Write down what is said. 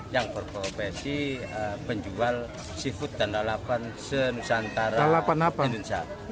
yang berprofesi penjual seafood dan lelapan senusantara indonesia